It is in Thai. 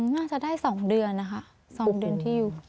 น่าจะได้๒เดือนนะคะ๒เดือนที่อยู่